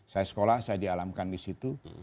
saya sekolah saya dialamkan disitu